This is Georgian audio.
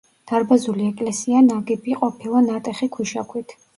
დარბაზული ეკლესია ნაგები ყოფილა ნატეხი ქვიშაქვით.